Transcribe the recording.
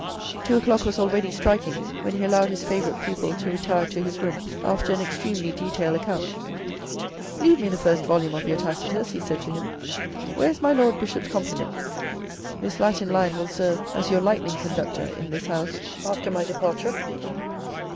Two o'clock was already striking when he allowed his favourite pupil to retire to his room after an extremely detailed account. " Leave me the first volume of your Tacitus," he said to him. " Where is my Lord Bishop's compliment? This Latin line will serve as your lightning conductor in this house after my departure."